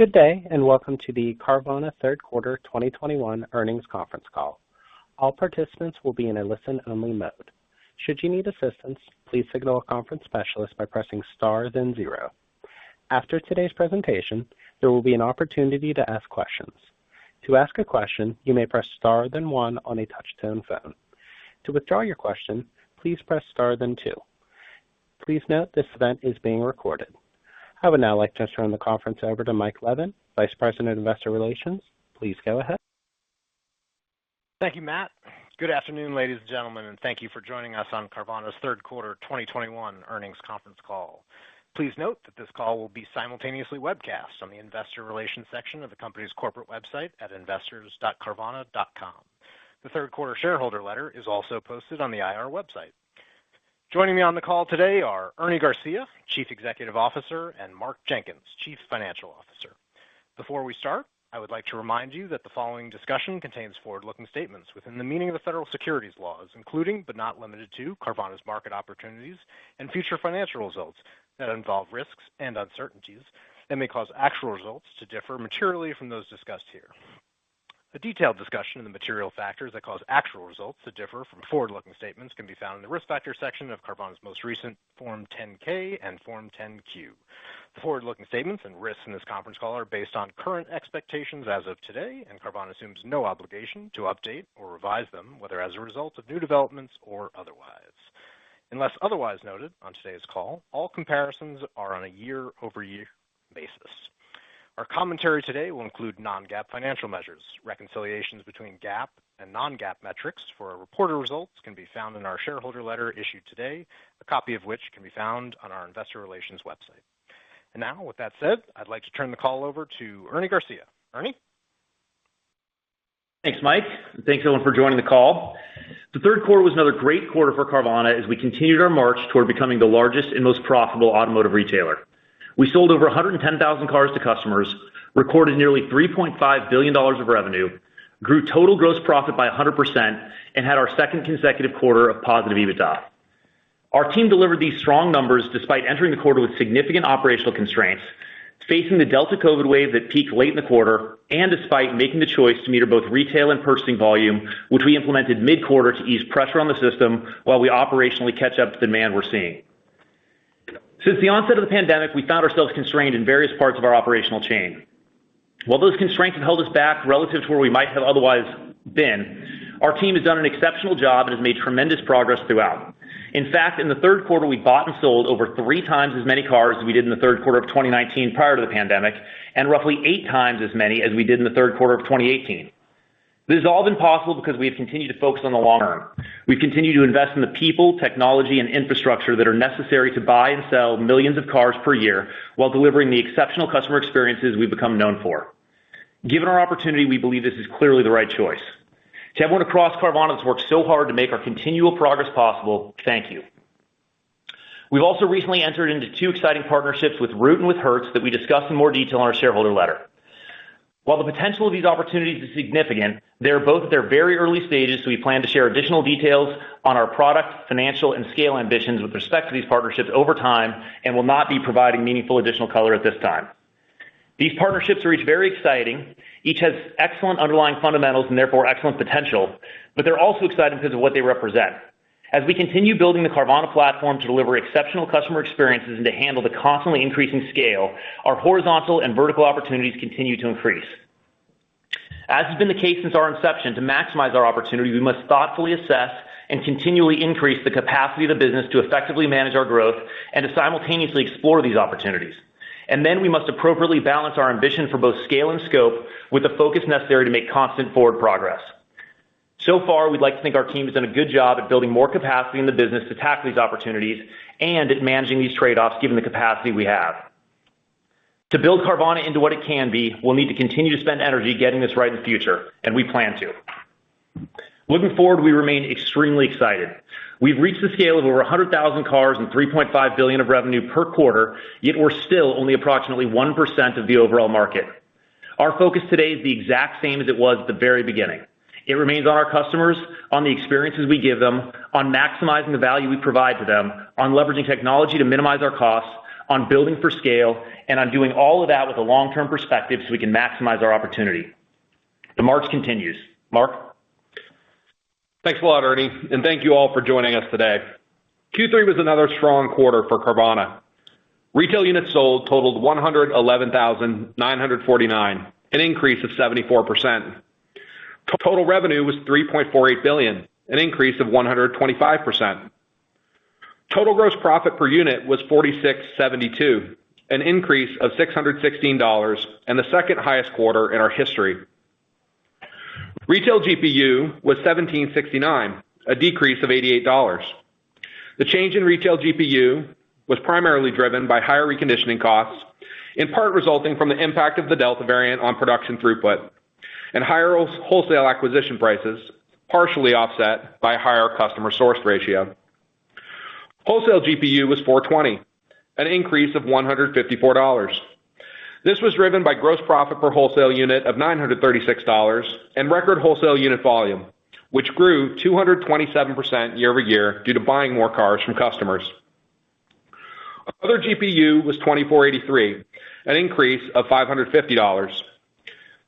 Good day, and welcome to the Carvana Third Quarter 2021 Earnings Conference Call. All participants will be in a listen-only mode. Should you need assistance, please signal a conference specialist by pressing star, then zero. After today's presentation, there will be an opportunity to ask questions. To ask a question, you may press star then one on a touch-tone phone. To withdraw your question, please press star then two. Please note this event is being recorded. I would now like to turn the conference over to Mike Levin, Vice President, Investor Relations. Please go ahead. Thank you, Matt. Good afternoon, ladies and gentlemen, and thank you for joining us on Carvana's Third Quarter 2021 Earnings Conference Call. Please note that this call will be simultaneously webcast on the investor relations section of the company's corporate website at investors.carvana.com. The third quarter shareholder letter is also posted on the IR website. Joining me on the call today are Ernie Garcia, Chief Executive Officer, and Mark Jenkins, Chief Financial Officer. Before we start, I would like to remind you that the following discussion contains forward-looking statements within the meaning of the federal securities laws, including, but not limited to Carvana's market opportunities and future financial results that involve risks and uncertainties that may cause actual results to differ materially from those discussed here. A detailed discussion of the material factors that cause actual results to differ from forward-looking statements can be found in the Risk Factors section of Carvana's most recent Form 10-K and Form 10-Q. The forward-looking statements and risks in this conference call are based on current expectations as of today, and Carvana assumes no obligation to update or revise them, whether as a result of new developments or otherwise. Unless otherwise noted on today's call, all comparisons are on a year-over-year basis. Our commentary today will include non-GAAP financial measures. Reconciliations between GAAP and non-GAAP metrics for our reported results can be found in our shareholder letter issued today, a copy of which can be found on our investor relations website. Now, with that said, I'd like to turn the call over to Ernie Garcia. Ernie. Thanks, Mike, and thanks, everyone, for joining the call. The third quarter was another great quarter for Carvana as we continued our march toward becoming the largest and most profitable automotive retailer. We sold over 110,000 cars to customers, recorded nearly $3.5 billion of revenue, grew total gross profit by 100%, and had our second consecutive quarter of positive EBITDA. Our team delivered these strong numbers despite entering the quarter with significant operational constraints, facing the Delta COVID wave that peaked late in the quarter, and despite making the choice to meter both retail and purchasing volume, which we implemented mid-quarter to ease pressure on the system while we operationally catch up to demand we're seeing. Since the onset of the pandemic, we found ourselves constrained in various parts of our operational chain. While those constraints have held us back relative to where we might have otherwise been, our team has done an exceptional job and has made tremendous progress throughout. In fact, in the third quarter, we bought and sold over three times as many cars as we did in the third quarter of 2019 prior to the pandemic, and roughly eight times as many as we did in the third quarter of 2018. This has all been possible because we have continued to focus on the long term. We've continued to invest in the people, technology, and infrastructure that are necessary to buy and sell millions of cars per year while delivering the exceptional customer experiences we've become known for. Given our opportunity, we believe this is clearly the right choice. To everyone across Carvana who's worked so hard to make our continual progress possible, thank you. We've also recently entered into two exciting partnerships with Root and with Hertz that we discuss in more detail in our shareholder letter. While the potential of these opportunities is significant, they're both at their very early stages, so we plan to share additional details on our product, financial, and scale ambitions with respect to these partnerships over time and will not be providing meaningful additional color at this time. These partnerships are each very exciting. Each has excellent underlying fundamentals and therefore excellent potential, but they're also exciting because of what they represent. As we continue building the Carvana platform to deliver exceptional customer experiences and to handle the constantly increasing scale, our horizontal and vertical opportunities continue to increase. As has been the case since our inception, to maximize our opportunity, we must thoughtfully assess and continually increase the capacity of the business to effectively manage our growth and to simultaneously explore these opportunities. We must appropriately balance our ambition for both scale and scope with the focus necessary to make constant forward progress. So far, we'd like to think our team has done a good job at building more capacity in the business to tackle these opportunities and at managing these trade-offs given the capacity we have. To build Carvana into what it can be, we'll need to continue to spend energy getting this right in the future, and we plan to. Looking forward, we remain extremely excited. We've reached the scale of over 100,000 cars and $3.5 billion of revenue per quarter, yet we're still only approximately 1% of the overall market. Our focus today is the exact same as it was at the very beginning. It remains on our customers, on the experiences we give them, on maximizing the value we provide to them, on leveraging technology to minimize our costs, on building for scale, and on doing all of that with a long-term perspective so we can maximize our opportunity. The march continues. Mark? Thanks a lot, Ernie, and thank you all for joining us today. Q3 was another strong quarter for Carvana. Retail units sold totaled 111,949, an increase of 74%. Total revenue was $3.48 billion, an increase of 125%. Total gross profit per unit was $4,672, an increase of $616, and the second-highest quarter in our history. Retail GPU was $1,769, a decrease of $88. The change in Retail GPU was primarily driven by higher reconditioning costs, in part resulting from the impact of the Delta variant on production throughput and higher wholesale acquisition prices, partially offset by a higher customer sourcing ratio. Wholesale GPU was $420, an increase of $154. This was driven by gross profit per wholesale unit of $936 and record wholesale unit volume. Which grew 227% year-over-year due to buying more cars from customers. Other GPU was $2,483, an increase of $550.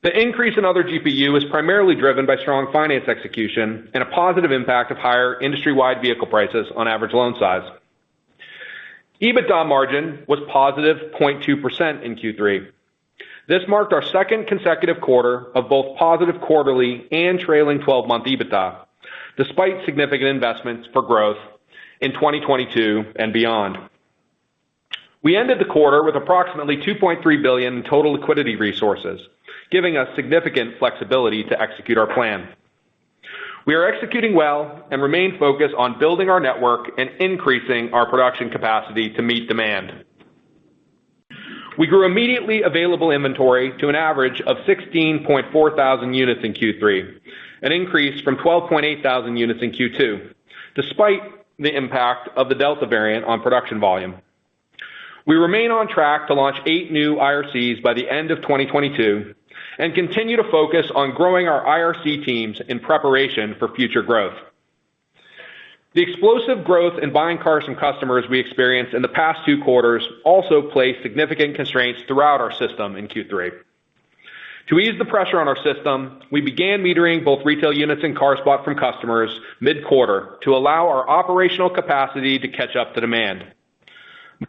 The increase in Other GPU was primarily driven by strong finance execution and a positive impact of higher industry-wide vehicle prices on average loan size. EBITDA margin was positive 0.2% in Q3. This marked our second consecutive quarter of both positive quarterly and trailing twelve-month EBITDA, despite significant investments for growth in 2022 and beyond. We ended the quarter with approximately $2.3 billion in total liquidity resources, giving us significant flexibility to execute our plan. We are executing well and remain focused on building our network and increasing our production capacity to meet demand. We grew immediately available inventory to an average of 16,400 units in Q3, an increase from 12,800 units in Q2, despite the impact of the Delta variant on production volume. We remain on track to launch eight new IRCs by the end of 2022 and continue to focus on growing our IRC teams in preparation for future growth. The explosive growth in buying cars from customers we experienced in the past two quarters also placed significant constraints throughout our system in Q3. To ease the pressure on our system, we began metering both retail units and cars bought from customers mid-quarter to allow our operational capacity to catch up to demand.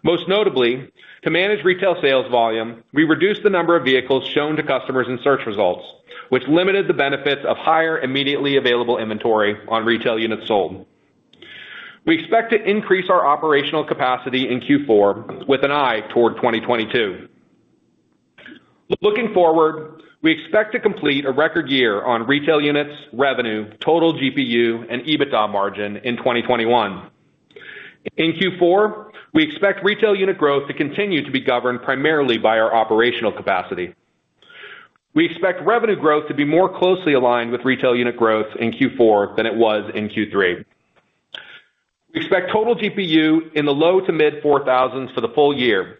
Most notably, to manage retail sales volume, we reduced the number of vehicles shown to customers in search results, which limited the benefits of higher immediately available inventory on retail units sold. We expect to increase our operational capacity in Q4 with an eye toward 2022. Looking forward, we expect to complete a record year on retail units, revenue, total GPU and EBITDA margin in 2021. In Q4, we expect retail unit growth to continue to be governed primarily by our operational capacity. We expect revenue growth to be more closely aligned with retail unit growth in Q4 than it was in Q3. We expect total GPU in the low to mid $4,000s for the full year,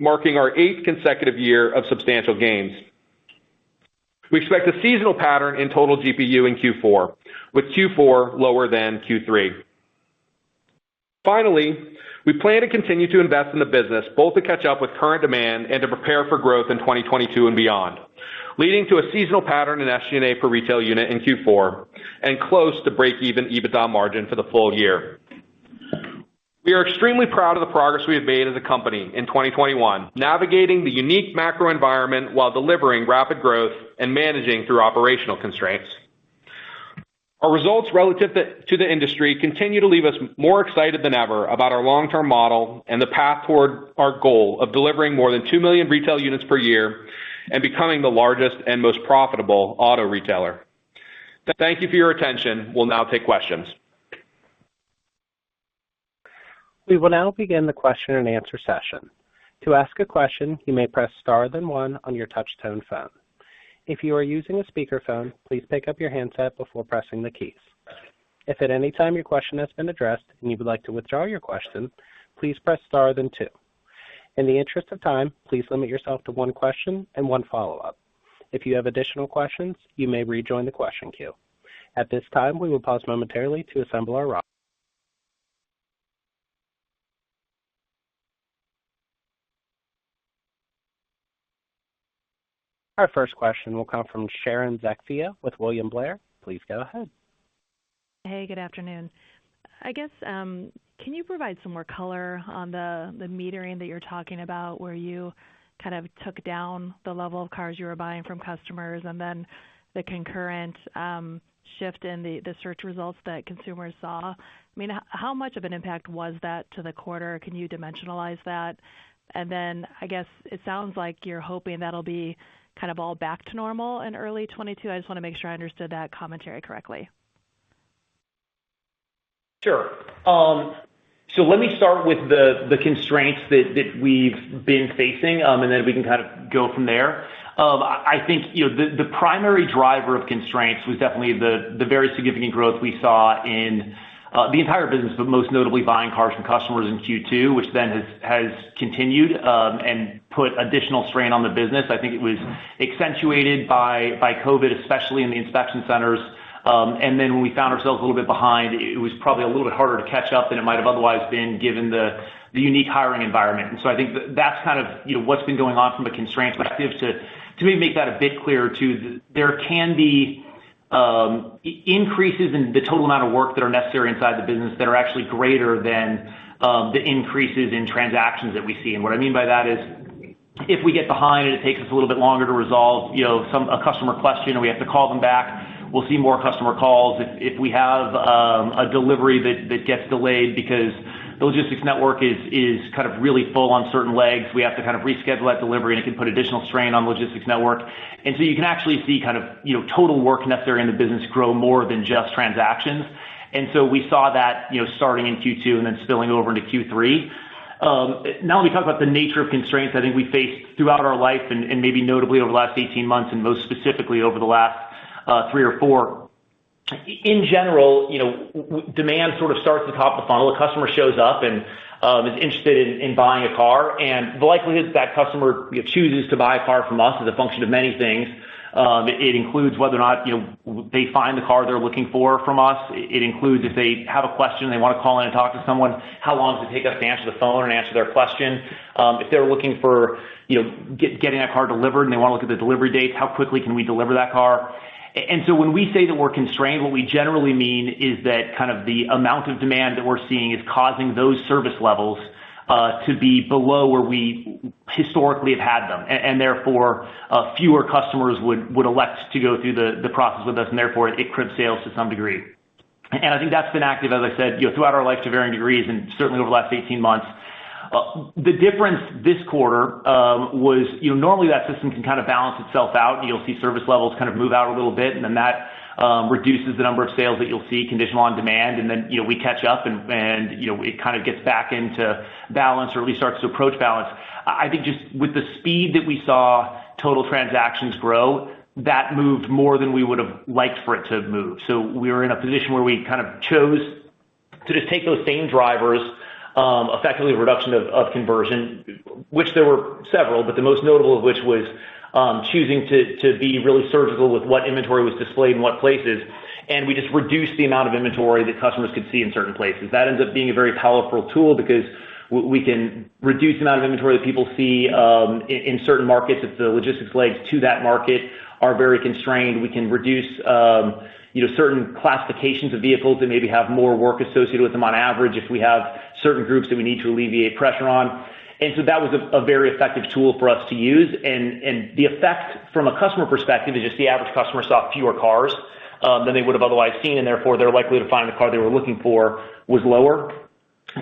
marking our eighth consecutive year of substantial gains. We expect a seasonal pattern in total GPU in Q4, with Q4 lower than Q3. Finally, we plan to continue to invest in the business both to catch up with current demand and to prepare for growth in 2022 and beyond, leading to a seasonal pattern in SG&A per retail unit in Q4 and close to break-even EBITDA margin for the full year. We are extremely proud of the progress we have made as a company in 2021, navigating the unique macro environment while delivering rapid growth and managing through operational constraints. Our results relative to the industry continue to leave us more excited than ever about our long-term model and the path toward our goal of delivering more than two million retail units per year and becoming the largest and most profitable auto retailer. Thank you for your attention. We'll now take questions. We will now begin the question and answer session. To ask a question, you may press star, then one on your touchtone phone. If you are using a speakerphone, please pick up your handset before pressing the keys. If at any time your question has been addressed and you would like to withdraw your question, please press star, then two. In the interest of time, please limit yourself to one question and one follow-up. If you have additional questions, you may rejoin the question queue. At this time, we will pause momentarily to assemble our first question will come from Sharon Zackfia with William Blair. Please go ahead. Hey, good afternoon. I guess, can you provide some more color on the metering that you're talking about where you kind of took down the level of cars you were buying from customers and then the concurrent shift in the search results that consumers saw? I mean, how much of an impact was that to the quarter? Can you dimensionalize that? I guess it sounds like you're hoping that'll be kind of all back to normal in early 2022. I just wanna make sure I understood that commentary correctly. Sure. So let me start with the constraints that we've been facing, and then we can kind of go from there. I think, you know, the primary driver of constraints was definitely the very significant growth we saw in the entire business, but most notably buying cars from customers in Q2, which then has continued and put additional strain on the business. I think it was accentuated by COVID, especially in the inspection centers. When we found ourselves a little bit behind, it was probably a little bit harder to catch up than it might have otherwise been given the unique hiring environment. I think that's kind of, you know, what's been going on from a constraint perspective. To maybe make that a bit clearer too, there can be increases in the total amount of work that are necessary inside the business that are actually greater than the increases in transactions that we see. What I mean by that is if we get behind and it takes us a little bit longer to resolve, you know, a customer question, and we have to call them back, we'll see more customer calls. If we have a delivery that gets delayed because the logistics network is kind of really full on certain legs, we have to kind of reschedule that delivery, and it can put additional strain on the logistics network. You can actually see kind of, you know, total work necessary in the business grow more than just transactions. We saw that, you know, starting in Q2 and then spilling over into Q3. Now, when we talk about the nature of constraints I think we faced throughout our life and maybe notably over the last eighteen months and most specifically over the last three or four. In general, you know, web demand sort of starts at the top of the funnel. A customer shows up and is interested in buying a car, and the likelihood that that customer chooses to buy a car from us is a function of many things. It includes whether or not, you know, they find the car they're looking for from us. It includes if they have a question they want to call in and talk to someone, how long does it take us to answer the phone and answer their question. If they're looking for, you know, getting a car delivered, and they want to look at the delivery dates, how quickly can we deliver that car. When we say that we're constrained, what we generally mean is that kind of the amount of demand that we're seeing is causing those service levels to be below where we historically have had them. Fewer customers would elect to go through the process with us, and therefore it crimps sales to some degree. I think that's been active, as I said, you know, throughout our life to varying degrees, and certainly over the last 18 months. The difference this quarter was, you know, normally that system can kind of balance itself out, and you'll see service levels kind of move out a little bit, and then that reduces the number of sales that you'll see conditional on demand. Then, you know, we catch up and you know, it kind of gets back into balance or at least starts to approach balance. I think just with the speed that we saw total transactions grow, that moved more than we would've liked for it to have moved. We were in a position where we kind of chose to just take those same drivers, effectively reduction of conversion, which there were several, but the most notable of which was choosing to be really surgical with what inventory was displayed in what places, and we just reduced the amount of inventory that customers could see in certain places. That ends up being a very powerful tool because we can reduce the amount of inventory that people see in certain markets if the logistics legs to that market are very constrained. We can reduce, you know, certain classifications of vehicles that maybe have more work associated with them on average if we have certain groups that we need to alleviate pressure on. That was a very effective tool for us to use. The effect from a customer perspective is just the average customer saw fewer cars than they would've otherwise seen, and therefore, their likelihood of finding the car they were looking for was lower.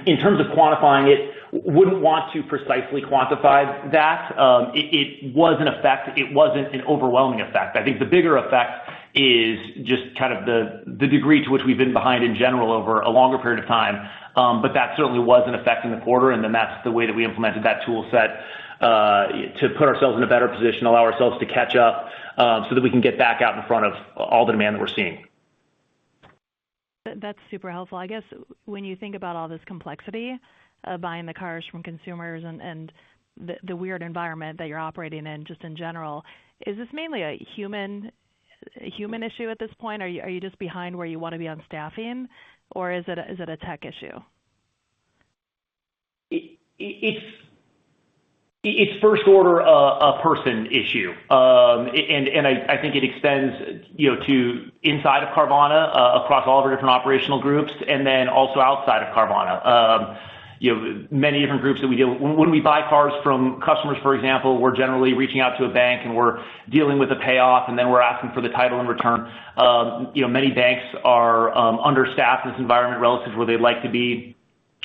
In terms of quantifying it, wouldn't want to precisely quantify that. It was an effect. It wasn't an overwhelming effect. I think the bigger effect is just kind of the degree to which we've been behind in general over a longer period of time. That certainly was an effect in the quarter, and then that's the way that we implemented that tool set to put ourselves in a better position, allow ourselves to catch up, so that we can get back out in front of all the demand that we're seeing. That's super helpful. I guess when you think about all this complexity of buying the cars from consumers and the weird environment that you're operating in just in general, is this mainly a human issue at this point? Are you just behind where you want to be on staffing, or is it a tech issue? It's first order a person issue. I think it extends, you know, to inside of Carvana across all of our different operational groups and then also outside of Carvana. You know, many different groups that we deal. When we buy cars from customers, for example, we're generally reaching out to a bank, and we're dealing with a payoff, and then we're asking for the title in return. You know, many banks are understaffed in this environment relative to where they'd like to be.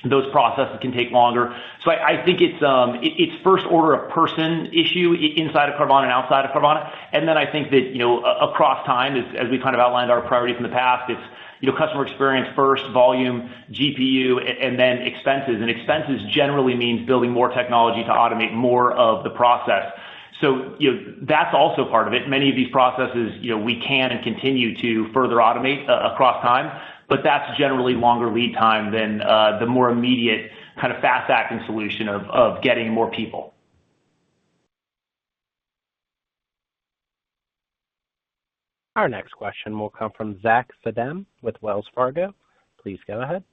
Those processes can take longer. I think it's first order a person issue inside of Carvana and outside of Carvana. I think that, you know, across time, as we kind of outlined our priorities in the past, it's, you know, customer experience first, volume, GPU, and then expenses. Expenses generally means building more technology to automate more of the process. So, you know, that's also part of it. Many of these processes, you know, we can and continue to further automate across time, but that's generally longer lead time than the more immediate kind of fast-acting solution of getting more people. Our next question will come from Zach Fadem with Wells Fargo. Please go ahead.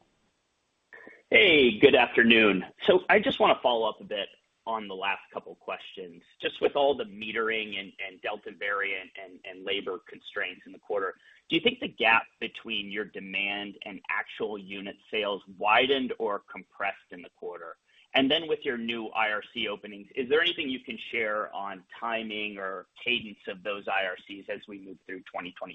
Hey, good afternoon. I just want to follow up a bit on the last couple questions. Just with all the mitigating and Delta variant and labor constraints in the quarter, do you think the gap between your demand and actual unit sales widened or compressed in the quarter? With your new IRC openings, is there anything you can share on timing or cadence of those IRCs as we move through 2022?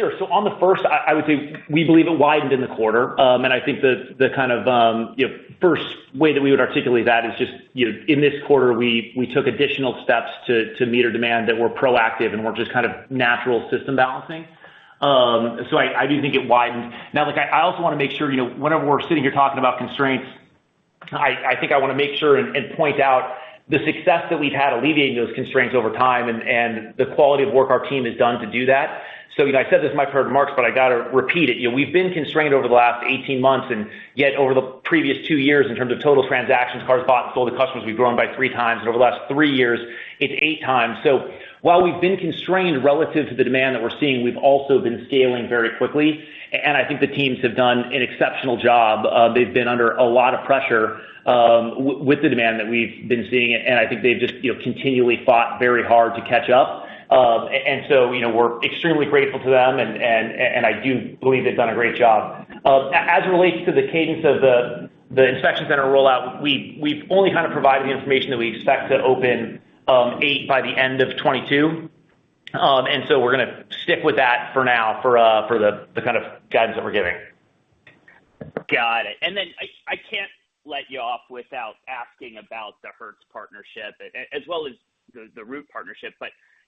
Sure. On the first, I would say we believe it widened in the quarter. I think the kind of, you know, first way that we would articulate that is just, you know, in this quarter, we took additional steps to meet our demand that were proactive and weren't just kind of natural system balancing. I do think it widened. Now, look, I also want to make sure, you know, whenever we're sitting here talking about constraints, I think I want to make sure and point out the success that we've had alleviating those constraints over time and the quality of work our team has done to do that. You know, I said this in my prepared remarks, but I got to repeat it. You know, we've been constrained over the last 18 months, and yet over the previous two years, in terms of total transactions, cars bought and sold to customers, we've grown by 3x. Over the last three years, it's 8x. While we've been constrained relative to the demand that we're seeing, we've also been scaling very quickly. I think the teams have done an exceptional job. They've been under a lot of pressure with the demand that we've been seeing, and I think they've just, you know, continually fought very hard to catch up. We're extremely grateful to them, and I do believe they've done a great job. As it relates to the cadence of the inspection center rollout, we've only kind of provided the information that we expect to open eight by the end of 2022. We're gonna stick with that for now for the kind of guidance that we're giving. Got it. Then I can't let you off without asking about the Hertz Partnership, as well as the Root Partnership.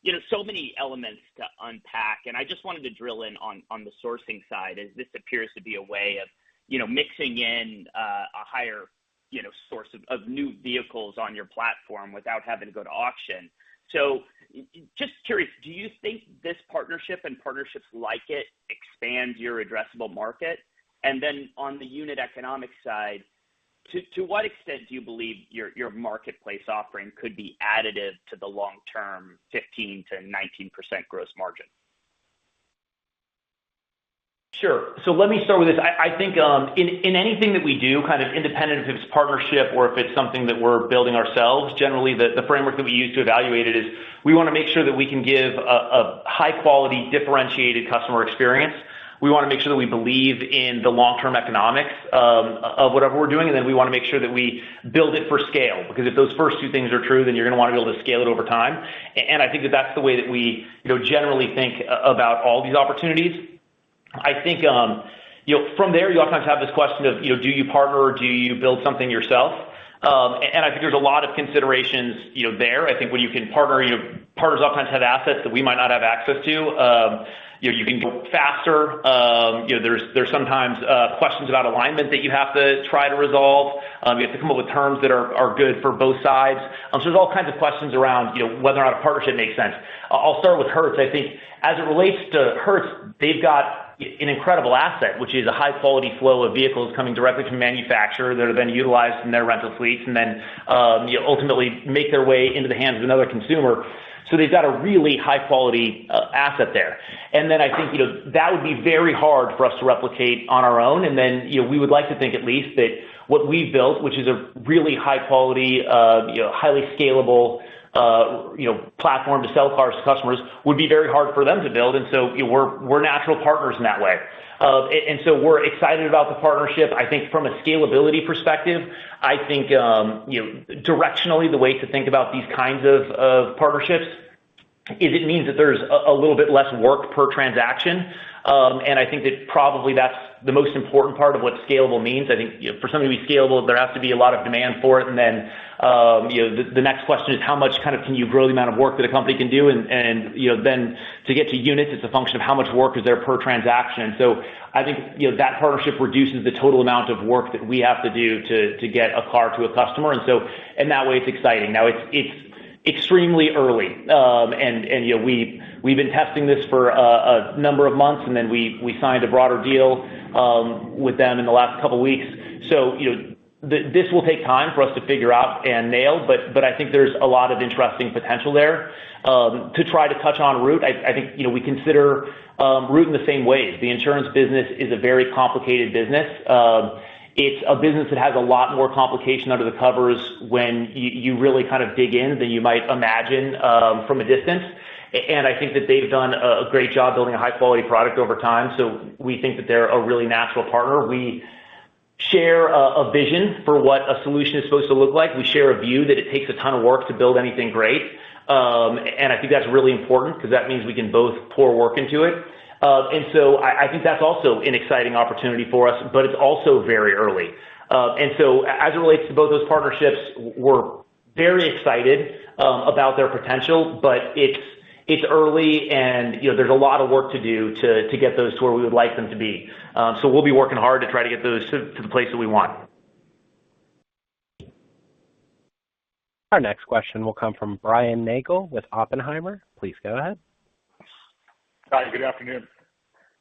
You know, so many elements to unpack, and I just wanted to drill in on the sourcing side, as this appears to be a way of, you know, mixing in a higher, you know, source of new vehicles on your platform without having to go to auction. Just curious, do you think this partnership and partnerships like it expand your addressable market? Then on the unit economics side, to what extent do you believe your marketplace offering could be additive to the long-term 15%-19% gross margin? Sure. Let me start with this. I think in anything that we do, kind of independent if it's partnership or if it's something that we're building ourselves, generally the framework that we use to evaluate it is we wanna make sure that we can give a high quality differentiated customer experience. We wanna make sure that we believe in the long-term economics of whatever we're doing, and then we wanna make sure that we build it for scale. Because if those first two things are true, then you're gonna wanna be able to scale it over time. And I think that that's the way that we, you know, generally think about all these opportunities. I think, you know, from there, you oftentimes have this question of, you know, do you partner or do you build something yourself? I think there's a lot of considerations, you know, there. I think when you can partner, you know, partners oftentimes have assets that we might not have access to. You know, you can go faster. You know, there's sometimes questions about alignment that you have to try to resolve. You have to come up with terms that are good for both sides. There's all kinds of questions around, you know, whether or not a partnership makes sense. I'll start with Hertz. I think as it relates to Hertz, they've got an incredible asset, which is a high quality flow of vehicles coming directly from manufacturer that have been utilized in their rental fleets and then, you know, ultimately make their way into the hands of another consumer. They've got a really high quality asset there. I think, you know, that would be very hard for us to replicate on our own. We would like to think at least that what we've built, which is a really high quality, you know, highly scalable, you know, platform to sell cars to customers, would be very hard for them to build. We're natural partners in that way. We're excited about the partnership. I think from a scalability perspective, I think, you know, directionally, the way to think about these kinds of partnerships is it means that there's a little bit less work per transaction. I think that probably that's the most important part of what scalable means. I think, you know, for something to be scalable, there has to be a lot of demand for it. You know, the next question is how much kind of can you grow the amount of work that a company can do and, you know, to get to units, it's a function of how much work is there per transaction. I think, you know, that partnership reduces the total amount of work that we have to do to get a car to a customer. In that way, it's exciting. Now it's extremely early. You know, we've been testing this for a number of months, and then we signed a broader deal with them in the last couple weeks. You know, this will take time for us to figure out and nail, but I think there's a lot of interesting potential there. To try to touch on Root, I think, you know, we consider Root in the same way. The insurance business is a very complicated business. It's a business that has a lot more complication under the covers when you really kind of dig in than you might imagine from a distance. I think that they've done a great job building a high-quality product over time. We think that they're a really natural partner. We share a vision for what a solution is supposed to look like. We share a view that it takes a ton of work to build anything great. I think that's really important because that means we can both pour work into it. I think that's also an exciting opportunity for us, but it's also very early. As it relates to both those partnerships, we're very excited about their potential. It's early and, you know, there's a lot of work to do to get those to where we would like them to be. We'll be working hard to try to get those to the place that we want. Our next question will come from Brian Nagel with Oppenheimer. Please go ahead. Hi, good afternoon.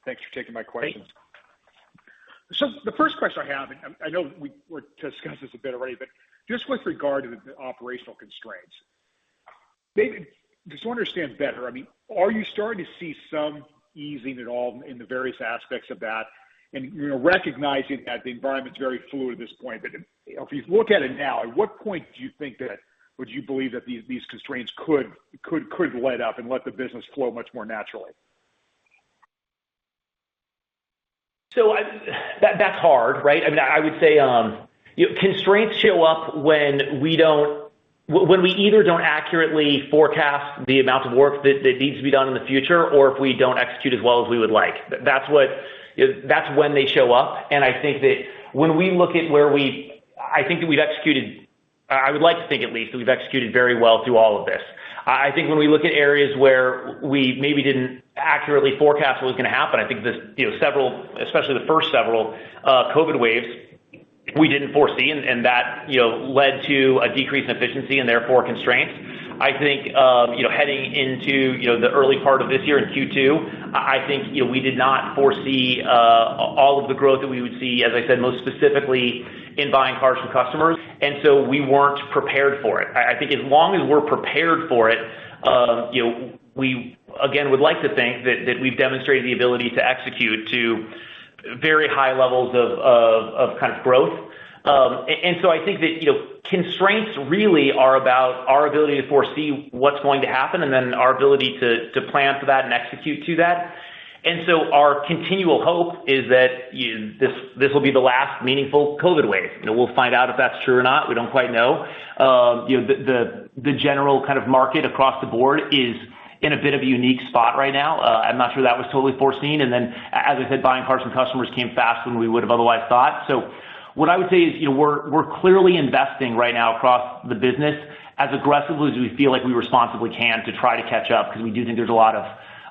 Thanks for taking my question. Thanks. The first question I have, and I know we discussed this a bit already, but just with regard to the operational constraints. David, just to understand better, I mean, are you starting to see some easing at all in the various aspects of that? You know, recognizing that the environment's very fluid at this point, but if you look at it now, at what point do you think that would you believe that these constraints could let up and let the business flow much more naturally? That's hard, right? I mean, I would say, you know, constraints show up when we either don't accurately forecast the amount of work that needs to be done in the future or if we don't execute as well as we would like. That's what, you know, that's when they show up. I think that when we look at where we, I think that we've executed. I would like to think at least that we've executed very well through all of this. I think when we look at areas where we maybe didn't accurately forecast what was gonna happen. I think the, you know, several, especially the first several COVID waves, we didn't foresee and that, you know, led to a decrease in efficiency and therefore constraints. I think, you know, heading into, you know, the early part of this year in Q2, I think, you know, we did not foresee all of the growth that we would see, as I said, most specifically in buying cars from customers. We weren't prepared for it. I think as long as we're prepared for it, you know, we again would like to think that we've demonstrated the ability to execute to very high levels of kind of growth. I think that, you know, constraints really are about our ability to foresee what's going to happen and then our ability to plan for that and execute to that. Our continual hope is that, you know, this will be the last meaningful COVID wave. You know, we'll find out if that's true or not. We don't quite know. You know, the general kind of market across the board is in a bit of a unique spot right now. I'm not sure that was totally foreseen. As I said, buying cars from customers came faster than we would have otherwise thought. What I would say is, you know, we're clearly investing right now across the business as aggressively as we feel like we responsibly can to try to catch up, because we do think there's a lot of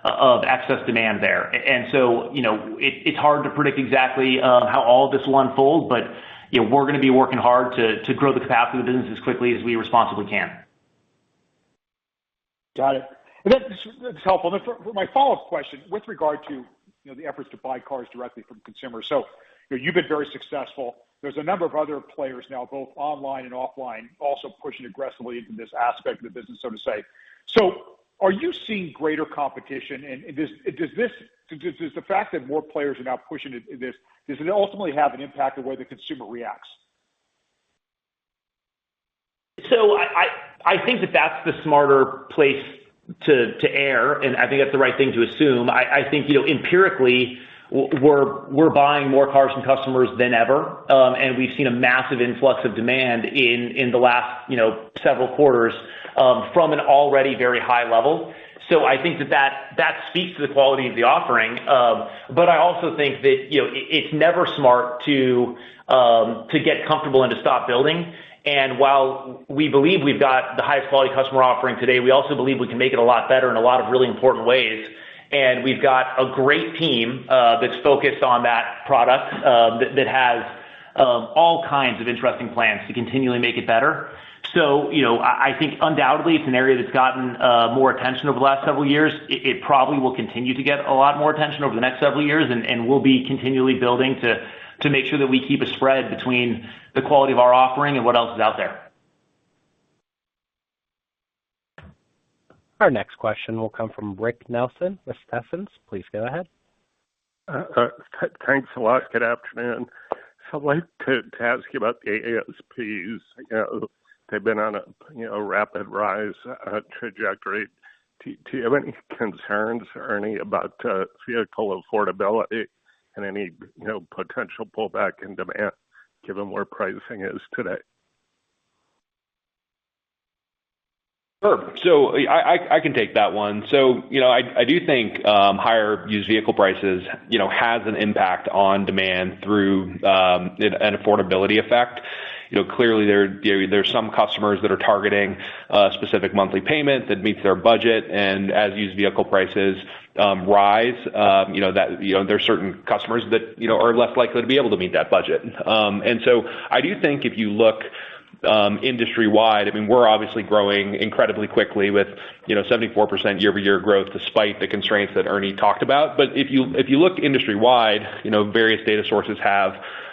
excess demand there. You know, it's hard to predict exactly how all this will unfold. You know, we're gonna be working hard to grow the capacity of the business as quickly as we responsibly can. Got it. That's helpful. For my follow-up question with regard to, you know, the efforts to buy cars directly from consumers. You've been very successful. There's a number of other players now, both online and offline, also pushing aggressively into this aspect of the business, so to speak. Are you seeing greater competition? Does the fact that more players are now pushing this ultimately have an impact on where the consumer reacts? I think that's the smarter place to err, and I think that's the right thing to assume. I think, you know, empirically we're buying more cars from customers than ever, and we've seen a massive influx of demand in the last, you know, several quarters, from an already very high level. I think that speaks to the quality of the offering. I also think that, you know, it's never smart to get comfortable and to stop building. While we believe we've got the highest quality customer offering today, we also believe we can make it a lot better in a lot of really important ways. We've got a great team that’s focused on that product, that has all kinds of interesting plans to continually make it better. You know, I think undoubtedly it's an area that's gotten more attention over the last several years. It probably will continue to get a lot more attention over the next several years, and we'll be continually building to make sure that we keep a spread between the quality of our offering and what else is out there. Our next question will come from Rick Nelson with Stephens. Please go ahead. Thanks a lot. Good afternoon. I'd like to ask you about the ASPs. You know, they've been on a you know, rapid rise trajectory. Do you have any concerns, Ernie, about vehicle affordability and any you know, potential pullback in demand given where pricing is today? Sure. I can take that one. You know, I do think higher used vehicle prices you know has an impact on demand through an affordability effect. You know, clearly there are some customers that are targeting a specific monthly payment that meets their budget. As used vehicle prices rise, you know, there are certain customers that you know are less likely to be able to meet that budget. I do think if you look industry-wide, I mean, we're obviously growing incredibly quickly with you know 74% year-over-year growth despite the constraints that Ernie talked about. If you look industry-wide, you know, various data sources have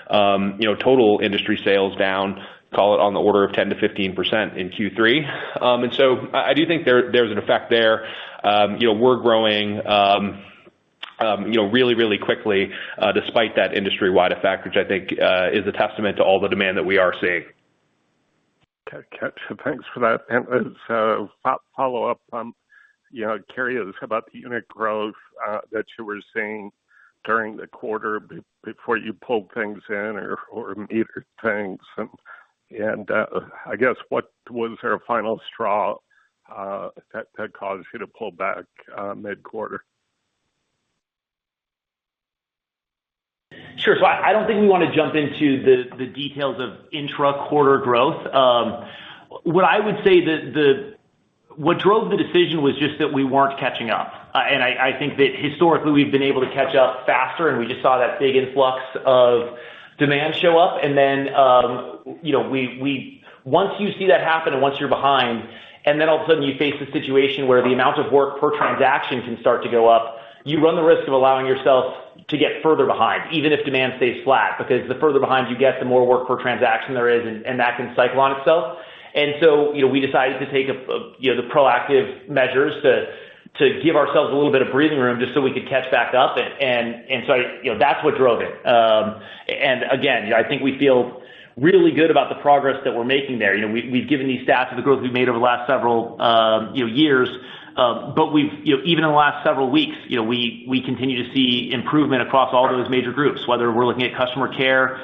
you know total industry sales down, call it on the order of 10%-15% in Q3. I do think there's an effect there. You know, we're growing, you know, really quickly, despite that industry-wide effect, which I think is a testament to all the demand that we are seeing. Okay. Got you. Thanks for that. As a follow-up, curious about the unit growth that you were seeing during the quarter before you pulled things in or metered things. I guess, what was the final straw that caused you to pull back mid-quarter? Sure. I don't think we want to jump into the details of intra-quarter growth. What drove the decision was just that we weren't catching up. I think that historically we've been able to catch up faster, and we just saw that big influx of demand show up. Once you see that happen and once you're behind, and then all of a sudden you face a situation where the amount of work per transaction can start to go up, you run the risk of allowing yourself to get further behind, even if demand stays flat. Because the further behind you get, the more work per transaction there is, and that can cycle on itself. You know, we decided to take the proactive measures to give ourselves a little bit of breathing room just so we could catch back up. You know, that's what drove it. Again, you know, I think we feel really good about the progress that we're making there. You know, we've given these stats of the growth we've made over the last several years. We've, you know, even in the last several weeks, you know, we continue to see improvement across all those major groups, whether we're looking at customer care,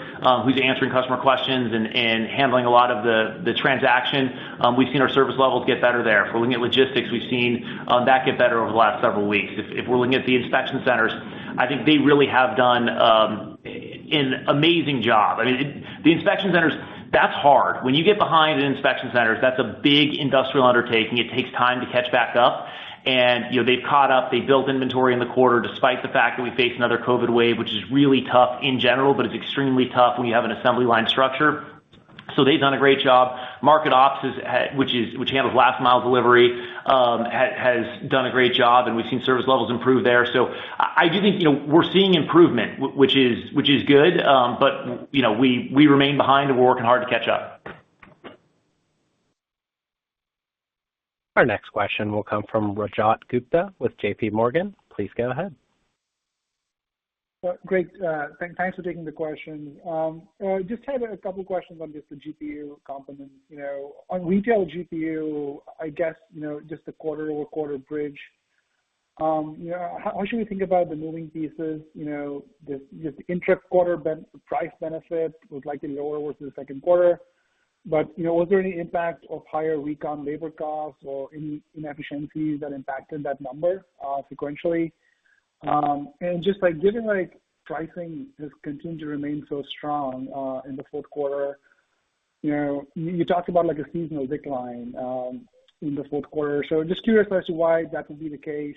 who's answering customer questions and handling a lot of the transaction. We've seen our service levels get better there. If we're looking at logistics, we've seen that get better over the last several weeks. If we're looking at the inspection centers, I think they really have done an amazing job. I mean, the inspection centers, that's hard. When you get behind in inspection centers, that's a big industrial undertaking. It takes time to catch back up. You know, they've caught up. They built inventory in the quarter despite the fact that we faced another COVID wave, which is really tough in general, but it's extremely tough when you have an assembly line structure. They've done a great job. Market Ops, which handles last-mile delivery, has done a great job, and we've seen service levels improve there. I do think, you know, we're seeing improvement, which is good. You know, we remain behind, and we're working hard to catch up. Our next question will come from Rajat Gupta with J.P. Morgan. Please go ahead. Great. Thanks for taking the question. I had a couple questions on the GPU component. You know, on Retail GPU, I guess, you know, just the quarter-over-quarter bridge, you know, how should we think about the moving pieces? You know, the intra-quarter price benefit was likely lower versus the second quarter. But, you know, was there any impact of higher recon labor costs or any inefficiencies that impacted that number sequentially? And just like, given that pricing has continued to remain so strong in the fourth quarter. You know, you talked about like a seasonal decline in the fourth quarter. Just curious as to why that would be the case.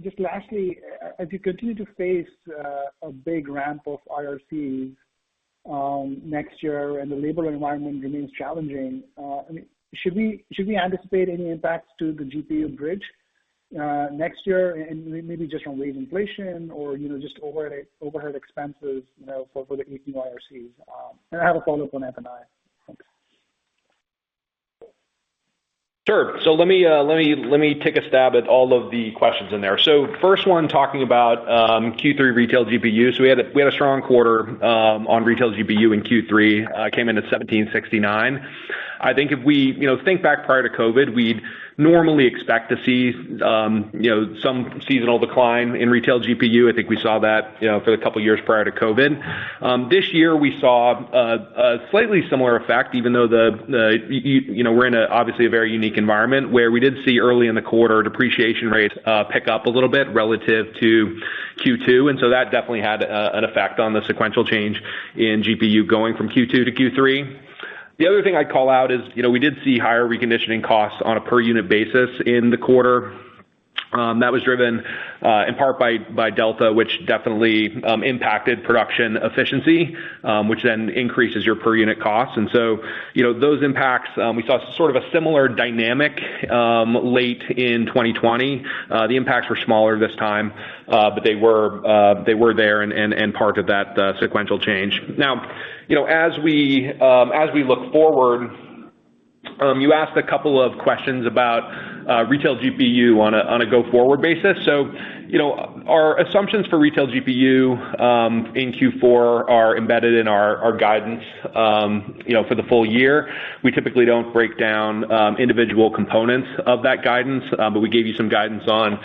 Just lastly, as you continue to face a big ramp of IRC next year and the labor environment remains challenging, I mean, should we anticipate any impacts to the GPU bridge next year and maybe just on wage inflation or, you know, just overhead expenses, you know, for the AC IRCs? I have a follow-up on F&I. Thanks. Sure. Let me take a stab at all of the questions in there. First one talking about Q3 Retail GPU. We had a strong quarter on Retail GPU in Q3. It came in at $1,769. I think if we you know think back prior to COVID, we'd normally expect to see you know some seasonal decline in Retail GPU. I think we saw that you know for the couple of years prior to COVID. This year we saw a slightly similar effect even though the you know we're in an obviously very unique environment where we did see early in the quarter depreciation rates pick up a little bit relative to Q2. That definitely had an effect on the sequential change in GPU going from Q2 to Q3. The other thing I'd call out is, you know, we did see higher reconditioning costs on a per unit basis in the quarter. That was driven in part by Delta which definitely impacted production efficiency, which then increases your per unit costs. You know, those impacts we saw sort of a similar dynamic late in 2020. The impacts were smaller this time, but they were there and part of that sequential change. Now, you know, as we look forward, you asked a couple of questions about Retail GPU on a go-forward basis. You know, our assumptions for Retail GPU in Q4 are embedded in our guidance for the full year. We typically don't break down individual components of that guidance, but we gave you some guidance on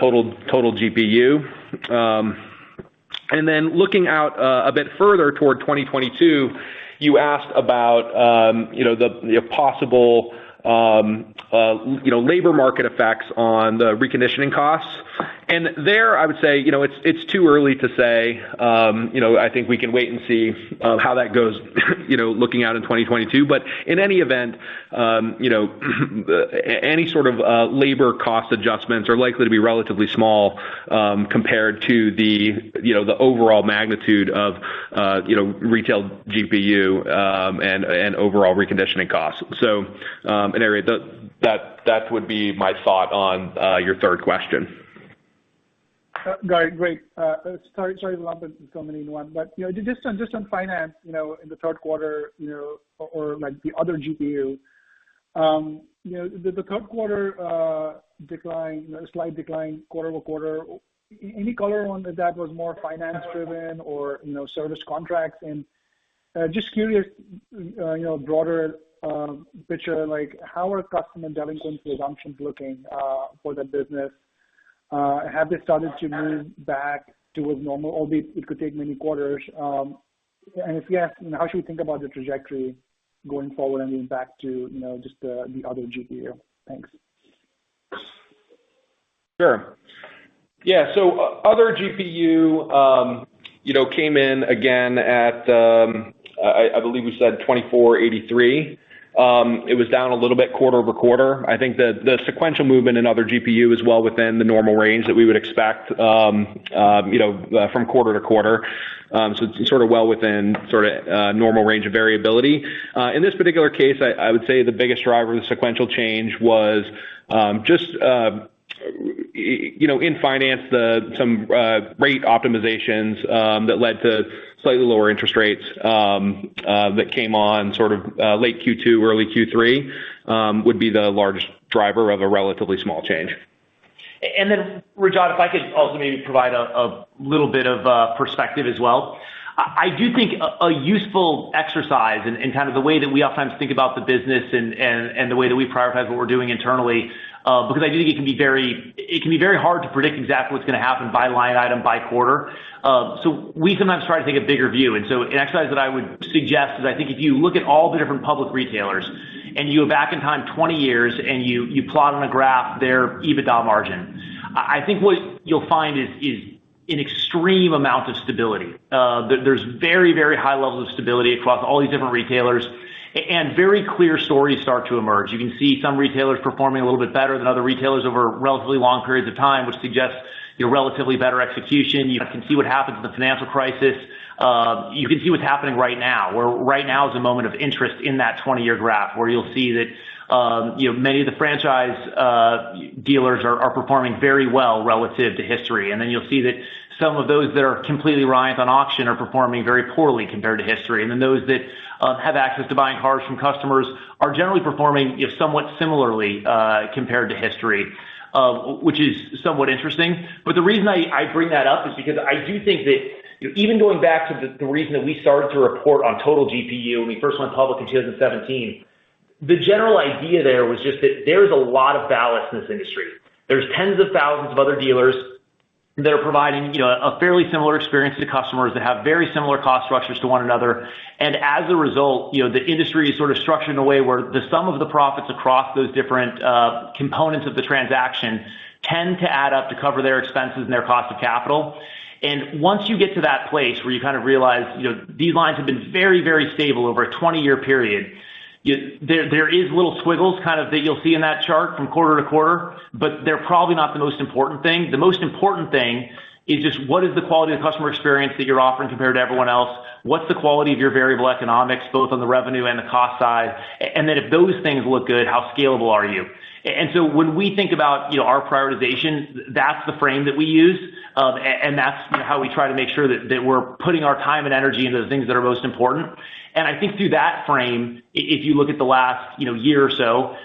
total GPU. Then looking out a bit further toward 2022, you asked about the possible labor market effects on the reconditioning costs. There I would say it's too early to say. You know, I think we can wait and see how that goes, you know, looking out in 2022. In any event, you know, any sort of labor cost adjustments are likely to be relatively small, compared to the, you know, the overall magnitude of, you know, Retail GPU, and overall reconditioning costs. That would be my thought on your third question. Got it. Great. Sorry for lumping so many in one. You know, just on finance, you know, in the third quarter, you know, or like the Other GPU, you know, the third quarter decline, you know, slight decline quarter-over-quarter, any color on whether that was more finance driven or, you know, service contracts? Just curious, you know, broader picture like how are customer delinquency assumptions looking for the business? Have they started to move back towards normal, albeit it could take many quarters? And if yes, how should we think about the trajectory going forward and back to, you know, just the Other GPU? Thanks. Sure. Yeah. Other GPU, you know, came in again at $2,483. It was down a little bit quarter-over-quarter. I think the sequential movement in Other GPU is well within the normal range that we would expect, you know, from quarter to quarter. So it's sort of well within sort of normal range of variability. In this particular case, I would say the biggest driver of the sequential change was just, you know, in finance some rate optimizations that led to slightly lower interest rates that came on sort of late Q2, early Q3, would be the largest driver of a relatively small change. Rajat, if I could also maybe provide a little bit of perspective as well. I do think a useful exercise and kind of the way that we oftentimes think about the business and the way that we prioritize what we're doing internally, because I do think it can be very hard to predict exactly what's gonna happen by line item by quarter. We sometimes try to take a bigger view. An exercise that I would suggest is I think if you look at all the different public retailers and you go back in time 20 years and you plot on a graph their EBITDA margin, I think what you'll find is an extreme amount of stability. There's very, very high levels of stability across all these different retailers. Very clear stories start to emerge. You can see some retailers performing a little bit better than other retailers over relatively long periods of time, which suggests, you know, relatively better execution. You can see what happens in the financial crisis. You can see what's happening right now, where right now is a moment of interest in that 20-year graph where you'll see that, you know, many of the franchise dealers are performing very well relative to history. You'll see that some of those that are completely reliant on auction are performing very poorly compared to history. Those that have access to buying cars from customers are generally performing, you know, somewhat similarly compared to history, which is somewhat interesting. The reason I bring that up is because I do think that, you know, even going back to the reason that we started to report on Total GPU when we first went public in 2017, the general idea there was just that there is a lot of ballast in this industry. There's tens of thousands of other dealers that are providing, you know, a fairly similar experience to customers that have very similar cost structures to one another. As a result, you know, the industry is sort of structured in a way where the sum of the profits across those different components of the transaction tend to add up to cover their expenses and their cost of capital. Once you get to that place where you kind of realize, you know, these lines have been very, very stable over a 20-year period. Yeah, there is little squiggles kind of that you'll see in that chart from quarter to quarter, but they're probably not the most important thing. The most important thing is just what is the quality of the customer experience that you're offering compared to everyone else? What's the quality of your variable economics, both on the revenue and the cost side? Then if those things look good, how scalable are you? When we think about, you know, our prioritization, that's the frame that we use, and that's kind of how we try to make sure that we're putting our time and energy into the things that are most important. I think through that frame, if you look at the last, you know, year or so,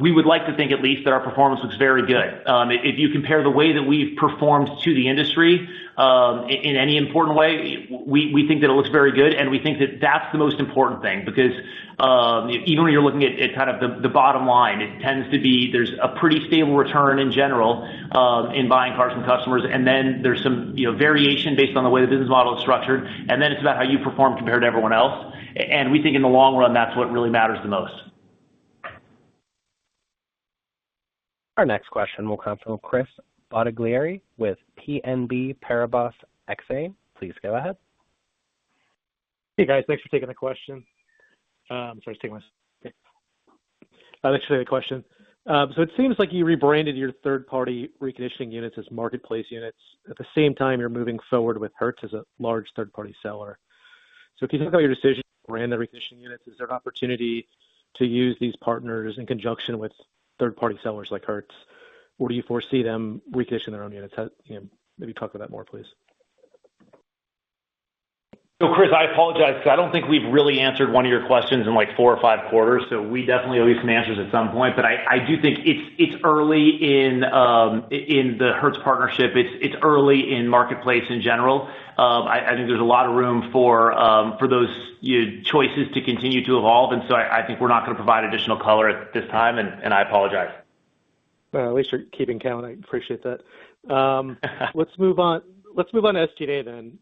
we would like to think at least that our performance looks very good. If you compare the way that we've performed to the industry in any important way, we think that it looks very good, and we think that that's the most important thing. Because even when you're looking at kind of the bottom line, it tends to be there's a pretty stable return in general in buying cars from customers. There's some, you know, variation based on the way the business model is structured, and then it's about how you perform compared to everyone else. We think in the long run, that's what really matters the most. Our next question will come from Chris Bottiglieri with Exane BNP Paribas. Please go ahead. Hey, guys. Thanks for taking the question. Sorry, just taking this. I'd like to ask you a question. It seems like you rebranded your third-party reconditioning units as marketplace units. At the same time, you're moving forward with Hertz as a large third-party seller. If you think about your decision to brand the reconditioning units, is there an opportunity to use these partners in conjunction with third-party sellers like Hertz, or do you foresee them reconditioning their own units? You know, maybe talk to that more, please. Chris, I apologize. I don't think we've really answered one of your questions in, like, four or five quarters, so we definitely owe you some answers at some point. I do think it's early in the Hertz Partnership. It's early in marketplace in general. I think there's a lot of room for those choices to continue to evolve. I think we're not gonna provide additional color at this time, and I apologize. Well, at least you're keeping count. I appreciate that. Let's move on to SG&A then.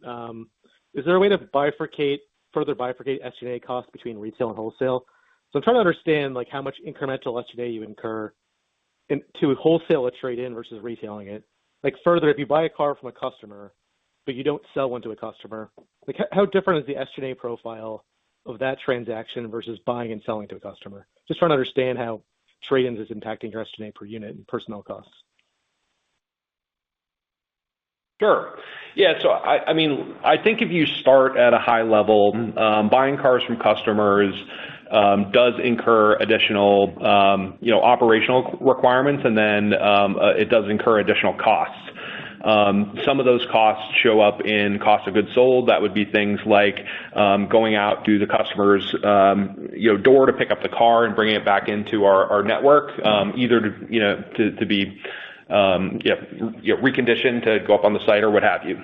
Is there a way to bifurcate further bifurcate SG&A costs between retail and wholesale? I'm trying to understand, like, how much incremental SG&A you incur in to wholesale a trade-in versus retailing it. Like further, if you buy a car from a customer but you don't sell one to a customer, like how different is the SG&A profile of that transaction versus buying and selling to a customer? Just trying to understand how trade-ins is impacting your SG&A per unit and personnel costs. Sure. Yeah. I mean, I think if you start at a high level, buying cars from customers does incur additional you know, operational requirements, and then it does incur additional costs. Some of those costs show up in cost of goods sold. That would be things like going out to the customer's you know, door to pick up the car and bringing it back into our network, either you know, to be reconditioned to go up on the site or what have you.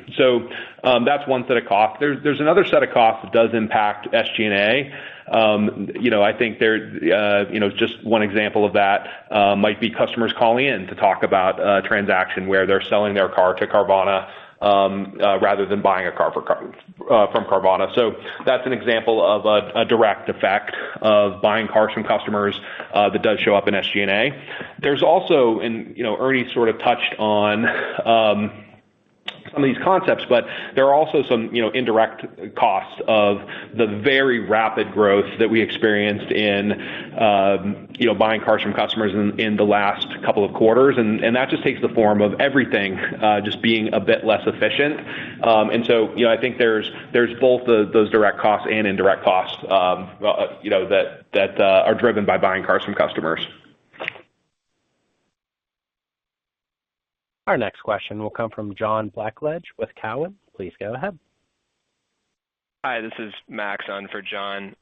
That's one set of costs. There's another set of costs that does impact SG&A. You know, I think there, you know, just one example of that might be customers calling in to talk about a transaction where they're selling their car to Carvana, rather than buying a car from Carvana. So that's an example of a direct effect of buying cars from customers that does show up in SG&A. There's also you know, Ernie sort of touched on some of these concepts, but there are also some you know, indirect costs of the very rapid growth that we experienced in you know, buying cars from customers in the last couple of quarters. That just takes the form of everything just being a bit less efficient. You know, I think there's both those direct costs and indirect costs, you know, that are driven by buying cars from customers. Our next question will come from John Blackledge with Cowen. Please go ahead. Hi, this is Max on for John.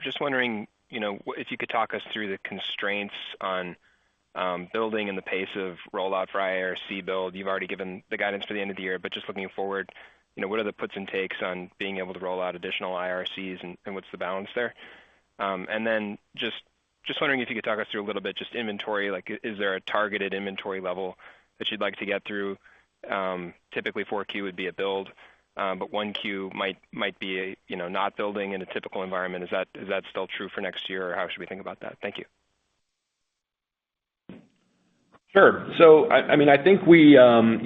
Just wondering, you know, if you could talk us through the constraints on building and the pace of rollout for IRC build. You've already given the guidance for the end of the year, but just looking forward, you know, what are the puts and takes on being able to roll out additional IRCs and what's the balance there? Just wondering if you could talk us through a little bit just inventory, like is there a targeted inventory level that you'd like to get to? Typically Q4 would be a build, but Q1 might be, you know, not building in a typical environment. Is that still true for next year? How should we think about that? Thank you. Sure. I mean, I think we you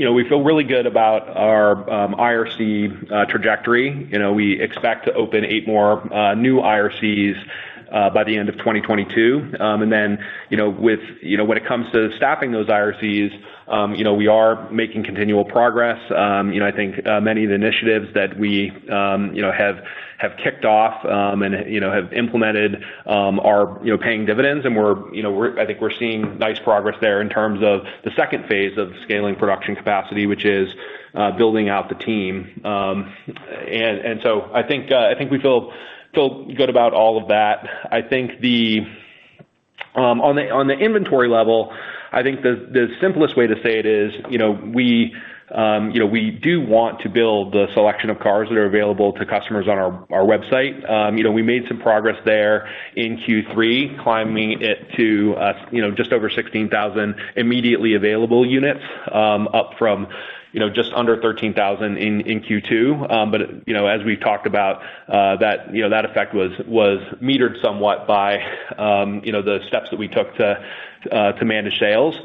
know, we feel really good about our IRC trajectory. You know, we expect to open eight more new IRCs by the end of 2022. You know, with you know, when it comes to staffing those IRCs, you know, we are making continual progress. You know, I think many of the initiatives that we you know, have kicked off and you know, have implemented are you know, paying dividends and we're you know, I think we're seeing nice progress there in terms of the second phase of the scaling production capacity, which is building out the team. I think we feel good about all of that. I think the. On the inventory level, I think the simplest way to say it is, you know, we do want to build the selection of cars that are available to customers on our website. You know, we made some progress there in Q3, climbing it to you know just over 16,000 immediately available units, up from you know just under 13,000 in Q2. You know, as we've talked about, that you know that effect was metered somewhat by you know the steps that we took to manage sales.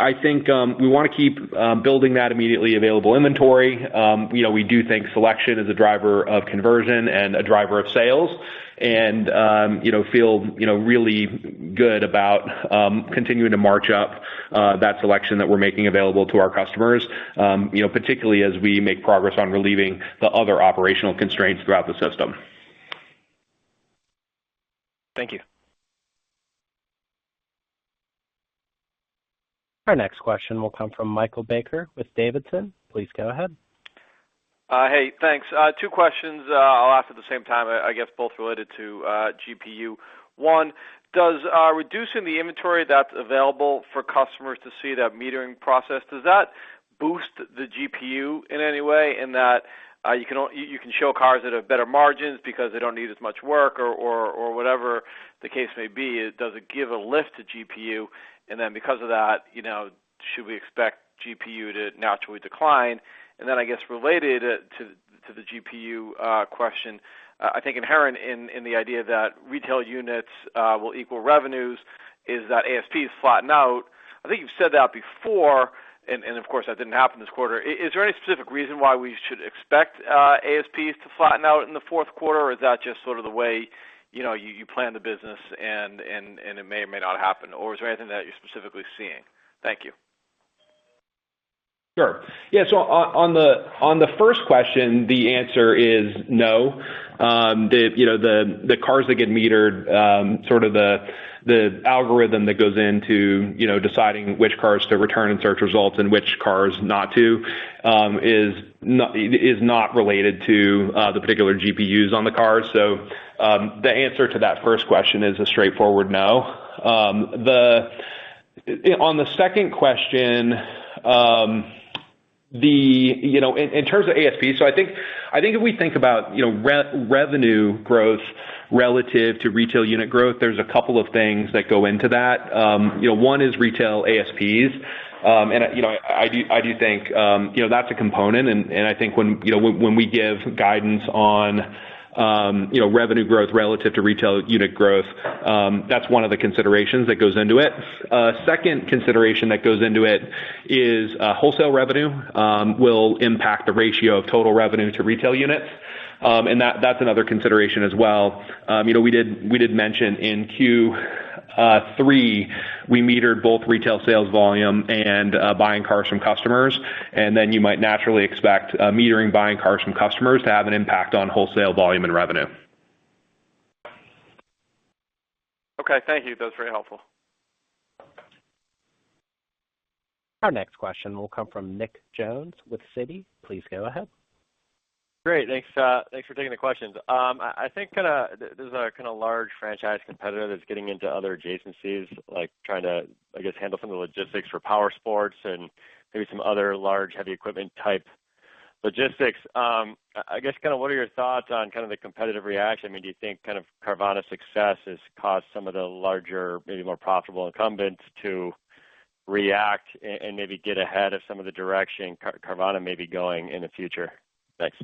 I think we wanna keep building that immediately available inventory. You know, we do think selection is a driver of conversion and a driver of sales, and you know feel you know really good about continuing to march up that selection that we're making available to our customers, you know, particularly as we make progress on relieving the other operational constraints throughout the system. Thank you. Our next question will come from Michael Baker with D.A. Davidson. Please go ahead. Hey, thanks. Two questions. I'll ask at the same time, I guess both related to GPU. One, does reducing the inventory that's available for customers to see that metering process, does that boost the GPU in any way in that you can show cars that have better margins because they don't need as much work or whatever the case may be? Does it give a lift to GPU? Because of that, you know, should we expect GPU to naturally decline? I guess related to the GPU question, I think inherent in the idea that retail units will equal revenues is that ASPs flatten out. I think you've said that before, and of course that didn't happen this quarter. Is there any specific reason why we should expect ASPs to flatten out in the fourth quarter? Or is that just sort of the way, you know, you plan the business and it may or may not happen? Or is there anything that you're specifically seeing? Thank you. Sure. Yeah, so on the first question, the answer is no. You know, the cars that get metered, sort of the algorithm that goes into, you know, deciding which cars to return in search results and which cars not to, is not related to the particular GPUs on the cars. The answer to that first question is a straightforward no. On the second question, you know, in terms of ASP, so I think if we think about, you know, revenue growth relative to retail unit growth, there's a couple of things that go into that. You know, one is retail ASPs. You know, I do think that's a component. I think when you know when we give guidance on you know revenue growth relative to retail unit growth, that's one of the considerations that goes into it. Second consideration that goes into it is wholesale revenue will impact the ratio of total revenue to retail units. That's another consideration as well. You know, we did mention in Q3, we metered both retail sales volume and buying cars from customers, and then you might naturally expect metering buying cars from customers to have an impact on wholesale volume and revenue. Okay. Thank you. That was very helpful. Our next question will come from Nick Jones with Citi. Please go ahead. Great. Thanks for taking the questions. I think kinda there's a kinda large franchise competitor that's getting into other adjacencies, like trying to handle some of the logistics for power sports and maybe some other large heavy equipment type logistics. I guess kinda what are your thoughts on kinda the competitive reaction? I mean, do you think kind of Carvana's success has caused some of the larger, maybe more profitable incumbents to react and maybe get ahead of some of the direction Carvana may be going in the future? Thanks.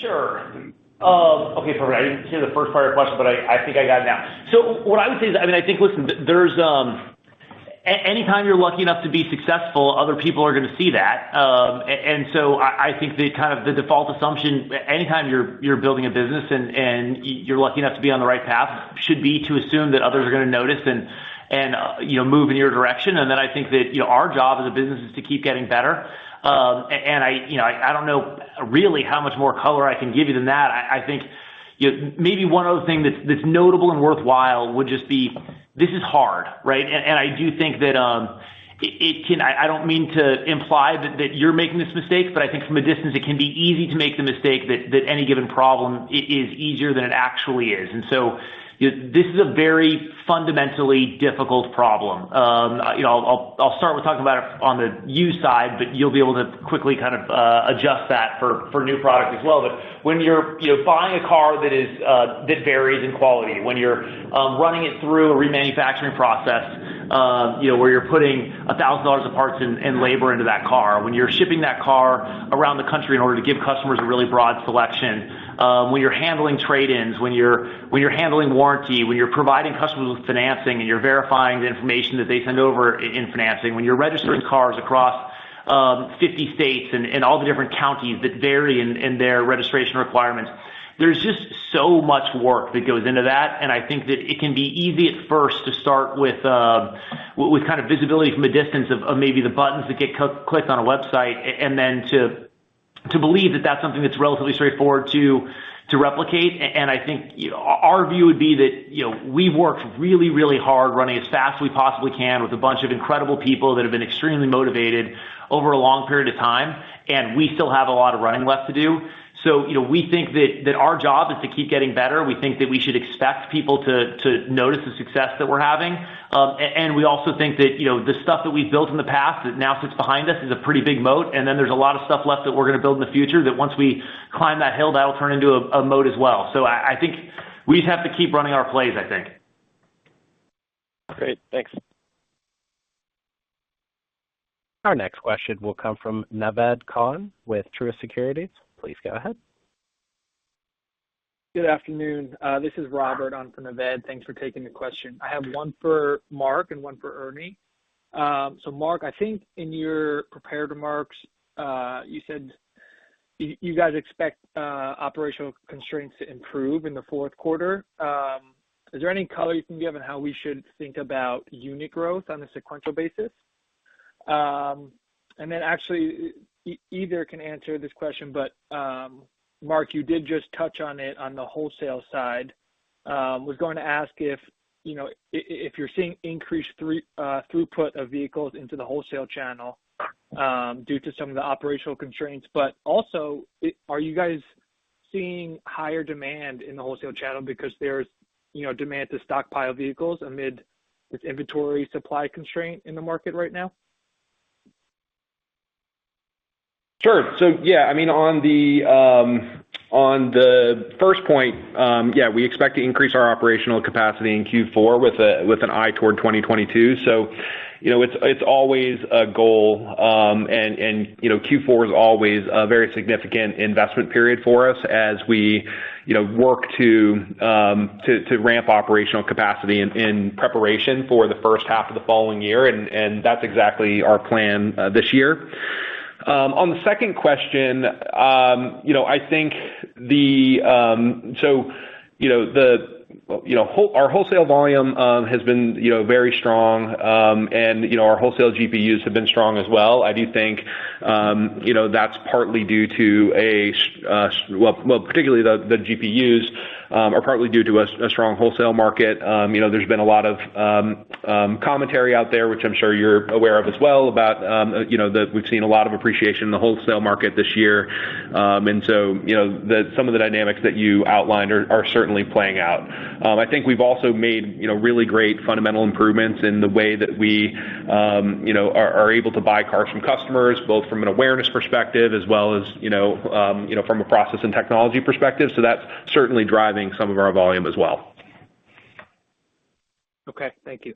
Sure. Okay, so I didn't hear the first part of your question, but I think I got it now. What I would say is, I mean, I think, listen, there's anytime you're lucky enough to be successful, other people are gonna see that. And so I think the kind of the default assumption anytime you're building a business and you're lucky enough to be on the right path should be to assume that others are gonna notice and you know, move in your direction. I think that you know, our job as a business is to keep getting better. And I you know, I don't know really how much more color I can give you than that. I think you maybe one other thing that's notable and worthwhile would just be, this is hard, right? I do think that it can. I don't mean to imply that you're making this mistake, but I think from a distance it can be easy to make the mistake that any given problem is easier than it actually is. You, this is a very fundamentally difficult problem. You know, I'll start with talking about it on the used side, but you'll be able to quickly kind of adjust that for new product as well. When you're, you know, buying a car that is that varies in quality, when you're running it through a remanufacturing process, you know, where you're putting $1,000 of parts and labor into that car, when you're shipping that car around the country in order to give customers a really broad selection, when you're handling trade-ins, when you're handling warranty, when you're providing customers with financing, and you're verifying the information that they send over in financing, when you're registering cars across 50 states and all the different counties that vary in their registration requirements, there's just so much work that goes into that, and I think that it can be easy at first to start with kind of visibility from a distance of maybe the buttons that get clicked on a website and then to believe that that's something that's relatively straightforward to replicate. I think, you know, our view would be that, you know, we've worked really, really hard running as fast as we possibly can with a bunch of incredible people that have been extremely motivated over a long period of time, and we still have a lot of running left to do. You know, we think that that our job is to keep getting better. We think that we should expect people to notice the success that we're having. We also think that, you know, the stuff that we've built in the past that now sits behind us is a pretty big moat. Then there's a lot of stuff left that we're gonna build in the future that once we climb that hill, that'll turn into a moat as well. I think we just have to keep running our plays, I think. Great. Thanks. Our next question will come from Naved Khan with Truist Securities. Please go ahead. Good afternoon. This is Robert on for Naved. Thanks for taking the question. I have one for Mark and one for Ernie. Mark, I think in your prepared remarks, you said you guys expect operational constraints to improve in the fourth quarter. Is there any color you can give on how we should think about unit growth on a sequential basis? Actually either can answer this question, but Mark, you did just touch on it on the wholesale side. Was going to ask if, you know, if you're seeing increased throughput of vehicles into the wholesale channel due to some of the operational constraints, but also are you guys seeing higher demand in the wholesale channel because there's, you know, demand to stockpile vehicles amid this inventory supply constraint in the market right now? Sure. Yeah, I mean, on the first point, yeah, we expect to increase our operational capacity in Q4 with an eye toward 2022. You know, it's always a goal. You know, Q4 is always a very significant investment period for us as we you know work to ramp operational capacity in preparation for the first half of the following year, and that's exactly our plan this year. On the second question, you know, I think our wholesale volume has been you know very strong, and you know our wholesale GPUs have been strong as well. I do think, you know, that's partly due to, well, particularly the GPUs are partly due to a strong wholesale market. You know, there's been a lot of commentary out there, which I'm sure you're aware of as well about, you know, we've seen a lot of appreciation in the wholesale market this year. You know, some of the dynamics that you outlined are certainly playing out. I think we've also made, you know, really great fundamental improvements in the way that we, you know, are able to buy cars from customers, both from an awareness perspective as well as, you know, from a process and technology perspective. That's certainly driving some of our volume as well. Okay, thank you.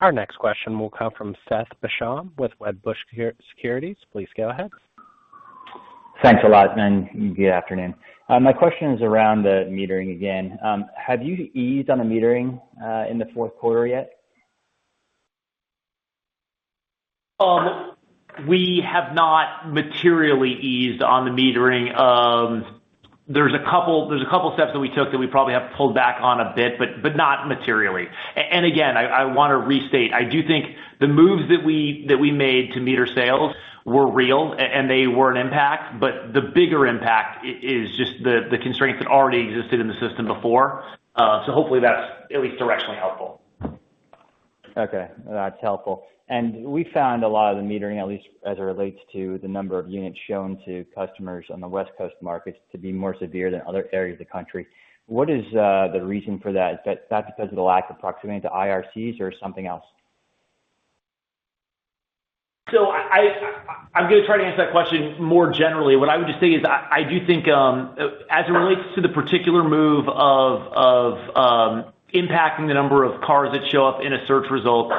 Our next question will come from Seth Basham with Wedbush Securities. Please go ahead. Thanks a lot, and good afternoon. My question is around the metering again. Have you eased on the metering in the fourth quarter yet? We have not materially eased on the metering. There's a couple steps that we took that we probably have pulled back on a bit, but not materially. Again, I wanna restate, I do think the moves that we made to meter sales were real and they were an impact, but the bigger impact is just the constraints that already existed in the system before. Hopefully, that's at least directionally helpful. Okay, that's helpful. We found a lot of the metering, at least as it relates to the number of units shown to customers on the West Coast markets, to be more severe than other areas of the country. What is the reason for that? Is that because of the lack of proximity to IRCs or something else? I'm gonna try to answer that question more generally. What I would just say is I do think, as it relates to the particular move of impacting the number of cars that show up in a search result,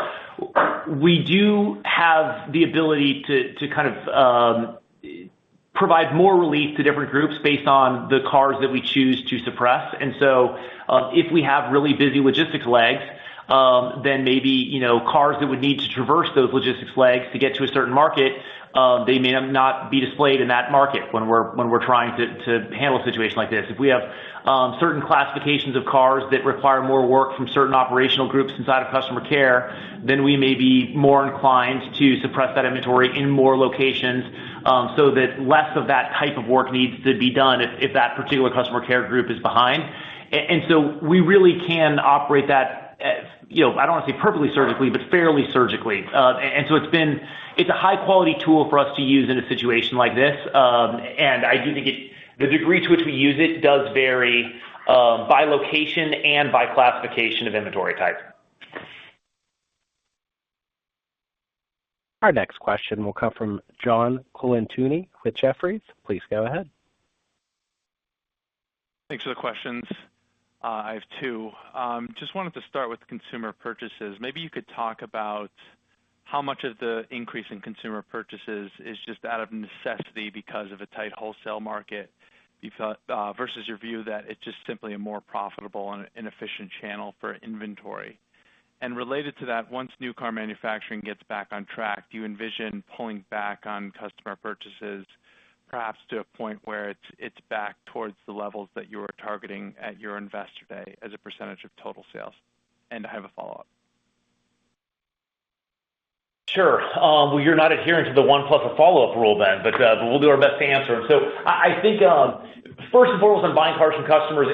we do have the ability to kind of provide more relief to different groups based on the cars that we choose to suppress. If we have really busy logistics legs, then maybe, you know, cars that would need to traverse those logistics legs to get to a certain market, they may not be displayed in that market when we're trying to handle a situation like this. If we have certain classifications of cars that require more work from certain operational groups inside of customer care, then we may be more inclined to suppress that inventory in more locations, so that less of that type of work needs to be done if that particular customer care group is behind. And so we really can operate that, you know, I don't wanna say perfectly surgically, but fairly surgically. And so it's been a high-quality tool for us to use in a situation like this. And I do think it. The degree to which we use it does vary, by location and by classification of inventory type. Our next question will come from John Colantuoni with Jefferies. Please go ahead. Thanks for the questions. I have two. Just wanted to start with consumer purchases. Maybe you could talk about how much of the increase in consumer purchases is just out of necessity because of a tight wholesale market you've versus your view that it's just simply a more profitable and efficient channel for inventory. Related to that, once new car manufacturing gets back on track, do you envision pulling back on customer purchases, perhaps to a point where it's back towards the levels that you were targeting at your Investor Day as a percentage of total sales? I have a follow-up. Sure. Well, you're not adhering to the one-plus-a-follow-up rule then, but we'll do our best to answer. I think first and foremost, on buying cars from customers,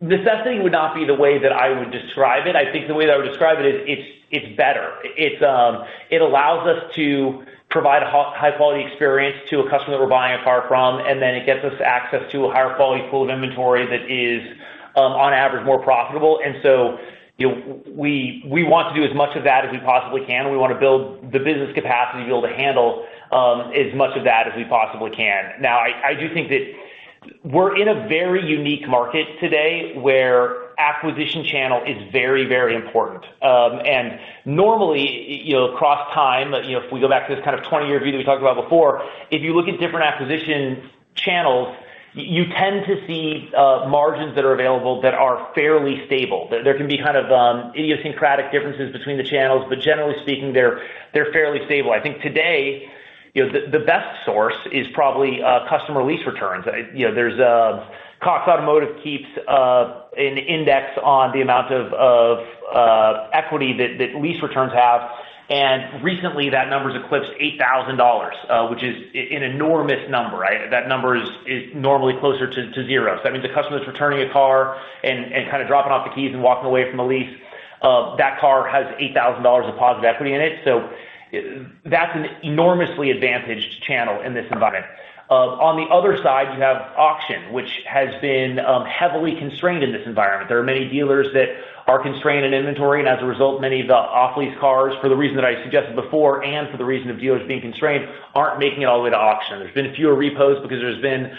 necessity would not be the way that I would describe it. I think the way that I would describe it is it's better. It allows us to provide a high quality experience to a customer that we're buying a car from, and then it gets us access to a higher quality pool of inventory that is on average, more profitable. You know, we want to do as much of that as we possibly can, and we wanna build the business capacity to be able to handle as much of that as we possibly can. Now, I do think that we're in a very unique market today where acquisition channel is very, very important. Normally, you know, across time, you know, if we go back to this kind of 20-year view that we talked about before, if you look at different acquisition channels, you tend to see margins that are available that are fairly stable. There can be kind of idiosyncratic differences between the channels but generally speaking, they're fairly stable. I think today, you know, the best source is probably customer lease returns. You know, Cox Automotive keeps an index on the amount of equity that lease returns have, and recently that number's eclipsed $8,000, which is an enormous number. That number is normally closer to zero. That means the customer's returning a car and kind of dropping off the keys and walking away from a lease, that car has $8,000 of positive equity in it. That's an enormously advantaged channel in this environment. On the other side, you have auction, which has been heavily constrained in this environment. There are many dealers that are constrained in inventory, and as a result, many of the off-lease cars, for the reason that I suggested before and for the reason of dealers being constrained, aren't making it all the way to auction. There's been fewer repos because there's been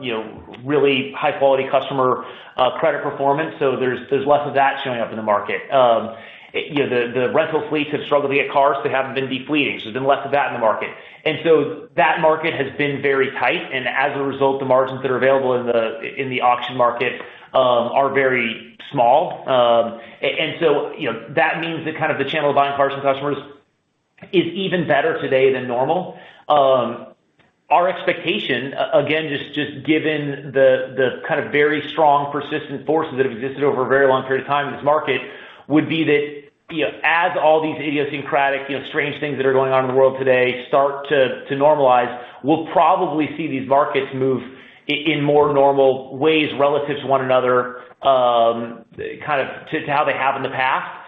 you know really high-quality customer credit performance. There's less of that showing up in the market. You know, the rental fleets have struggled to get cars, so they haven't been de-fleeting, so there's been less of that in the market. That market has been very tight, and as a result, the margins that are available in the auction market are very small. You know, that means that kind of the channel of buying cars from customers is even better today than normal. Our expectation, again, just given the kind of very strong persistent forces that have existed over a very long period of time in this market, would be that, you know, as all these idiosyncratic, you know, strange things that are going on in the world today start to normalize, we'll probably see these markets move in more normal ways relative to one another, kind of to how they have in the past.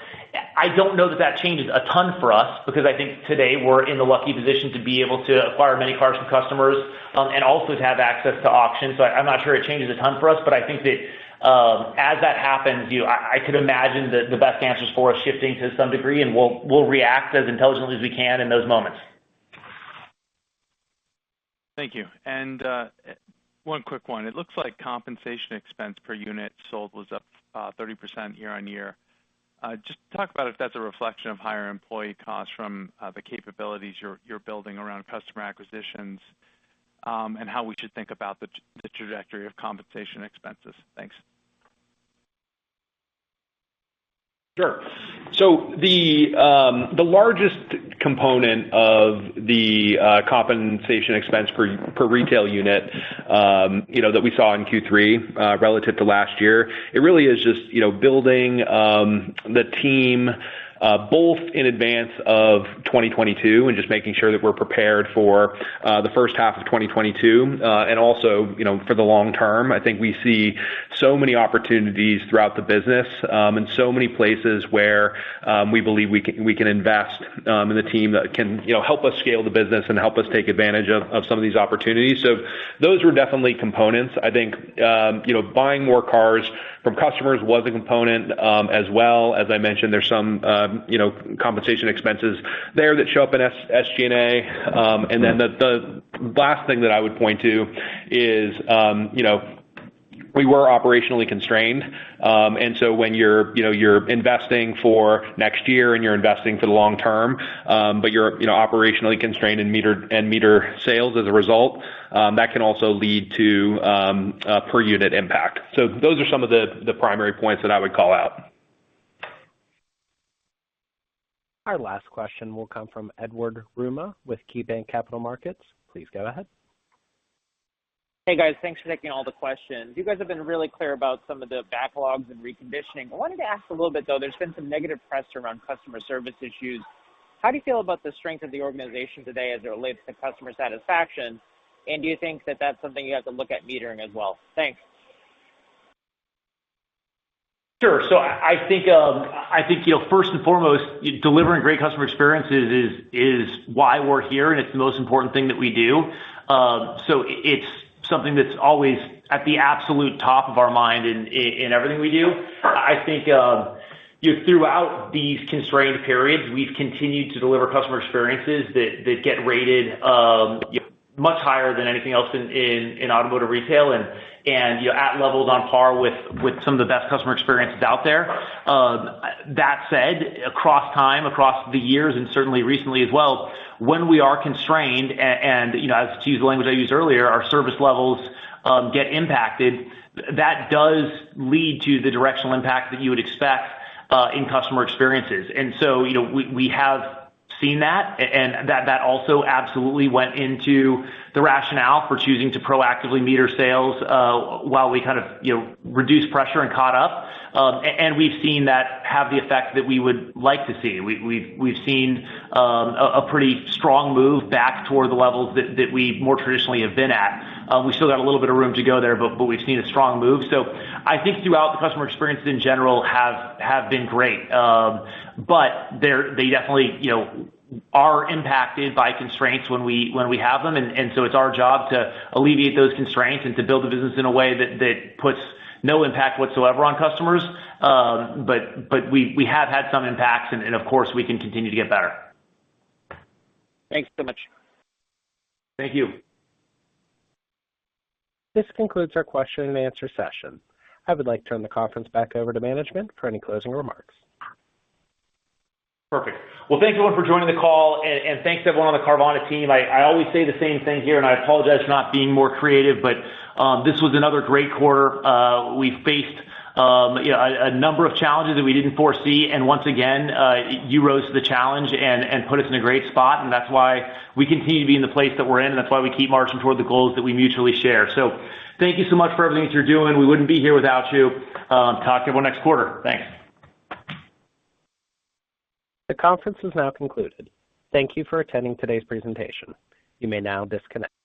I don't know that changes a ton for us because I think today we're in the lucky position to be able to acquire many cars from customers, and also to have access to auctions. I'm not sure it changes a ton for us, but I think that, as that happens, you know, I could imagine that the best answers for us shifting to some degree, and we'll react as intelligently as we can in those moments. Thank you. One quick one. It looks like compensation expense per unit sold was up 30% year-over-year. Just talk about if that's a reflection of higher employee costs from the capabilities you're building around customer acquisitions, and how we should think about the trajectory of compensation expenses. Thanks. Sure. The largest component of the compensation expense per retail unit, you know, that we saw in Q3 relative to last year, it really is just, you know, building the team both in advance of 2022 and just making sure that we're prepared for the first half of 2022, and also, you know, for the long term. I think we see so many opportunities throughout the business, and so many places where we believe we can invest in the team that can, you know, help us scale the business and help us take advantage of some of these opportunities. Those were definitely components. I think, you know, buying more cars from customers was a component as well. As I mentioned, there's some, you know, compensation expenses there that show up in SG&A. Then the last thing that I would point to is, you know, we were operationally constrained. When you're, you know, you're investing for next year and you're investing for the long term, but you're, you know, operationally constrained in market sales as a result, that can also lead to a per unit impact. Those are some of the primary points that I would call out. Our last question will come from Edward Yruma with KeyBanc Capital Markets. Please go ahead. Hey, guys. Thanks for taking all the questions. You guys have been really clear about some of the backlogs and reconditioning. I wanted to ask a little bit, though. There's been some negative press around customer service issues. How do you feel about the strength of the organization today as it relates to customer satisfaction? And do you think that that's something you have to look at monitoring as well? Thanks. Sure. I think, you know, first and foremost, delivering great customer experiences is why we're here, and it's the most important thing that we do. It's something that's always at the absolute top of our mind in everything we do. I think, you know, throughout these constrained periods, we've continued to deliver customer experiences that get rated, you know, much higher than anything else in automotive retail and, you know, at levels on par with some of the best customer experiences out there. That said, across time, across the years, and certainly recently as well, when we are constrained and, you know, to use the language I used earlier, our service levels get impacted, that does lead to the directional impact that you would expect in customer experiences. You know, we have seen that and that also absolutely went into the rationale for choosing to proactively meter sales, while we kind of, you know, reduced pressure and caught up. And we've seen that have the effect that we would like to see. We've seen a pretty strong move back toward the levels that we more traditionally have been at. We still got a little bit of room to go there, but we've seen a strong move. I think throughout the customer experience in general have been great. But they definitely, you know, are impacted by constraints when we have them. It's our job to alleviate those constraints and to build the business in a way that puts no impact whatsoever on customers. We have had some impacts and of course, we can continue to get better. Thanks so much. Thank you. This concludes our question and answer session. I would like to turn the conference back over to management for any closing remarks. Perfect. Well, thanks everyone for joining the call and thanks everyone on the Carvana team. I always say the same thing here, and I apologize for not being more creative, but this was another great quarter. We faced a number of challenges that we didn't foresee, and once again you rose to the challenge and put us in a great spot. That's why we continue to be in the place that we're in. That's why we keep marching toward the goals that we mutually share. Thank you so much for everything that you're doing. We wouldn't be here without you. Talk to everyone next quarter. Thanks. The conference is now concluded. Thank you for attending today's presentation. You may now disconnect.